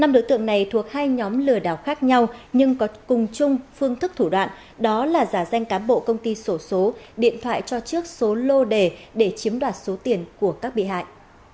năm đối tượng này thuộc hai nhóm lừa đảo khác nhau nhưng có cùng chung phương thức thủ đoạn đó là giả danh cán bộ công ty sổ số điện thoại cho chiếc số lô đề để chiếm đoạt số tiền của các bị hại